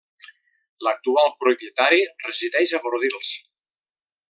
L'actual propietari resideix a Bordils.